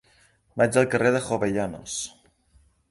Vaig al carrer de Jovellanos.